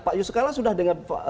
pak yusuf kalla sudah dengan